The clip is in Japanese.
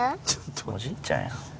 おじいちゃんやん。